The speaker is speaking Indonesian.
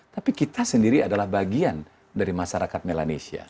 tapi kita sendiri adalah bagian dari masyarakat melanesia